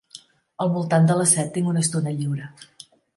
Al voltant de les set tinc una estona lliure.